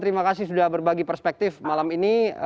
terima kasih sudah berbagi perspektif malam ini